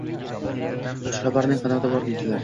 Xushxabarning qanoti bor, deydilar